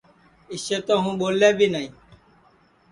اِسے تو ہوں ٻولے بی نائی